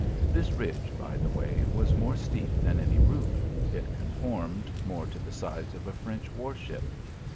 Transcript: This ridge by the way was more steep than any roof; it conformed, more, to the sides of a French war ship.